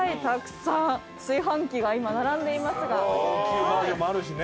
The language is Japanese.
たくさん炊飯器が今並んでいますが。